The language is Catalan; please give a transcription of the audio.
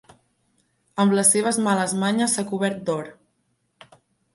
Amb les seves males manyes s'ha cobert d'or.